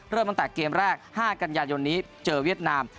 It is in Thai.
เริ่มตั้งแต่เกมแรก๕กันยายนนี้เจอเวียดนาม